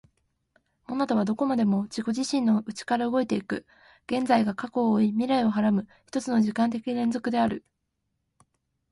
モナドはどこまでも自己自身の内から動いて行く、現在が過去を負い未来を孕はらむ一つの時間的連続である。